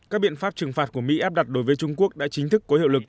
các biện pháp trừng phạt của mỹ áp đặt đối với trung quốc đã chính thức có hiệu lực